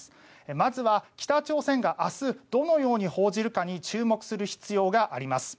まずは北朝鮮が明日、どのように報じるかに注目する必要があります。